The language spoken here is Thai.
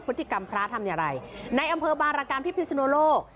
พฤติกรรมพระทำอย่างไรในอำเภอบางรกรรมที่พิศนุโลก